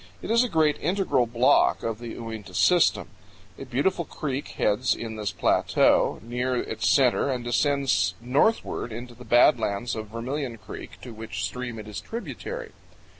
It is a great integral block of the Uinta system. A beautiful creek heads in this plateau, near its center, and descends northward into the bad lands of Vermilion Creek, to which stream it is tributary.